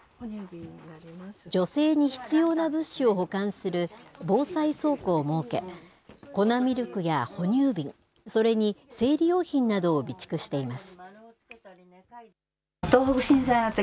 女性に必要な物資を保管する防災倉庫を設け、粉ミルクや哺乳瓶、それに生理用品などを備蓄しています。